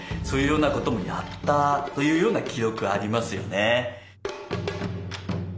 そういうようなこともやったというような記録ありますよね。